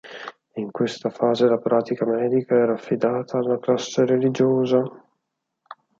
In questa fase la pratica medica era affidata alla classe religiosa.